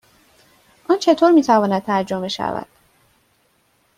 آن چطور می تواند ترجمه شود؟